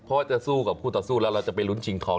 เพราะว่าจะสู้กับคู่ต่อสู้แล้วเราจะไปลุ้นชิงทอง